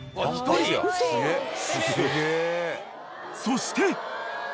［そして］